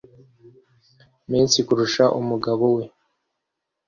menshi kurusha umugabo we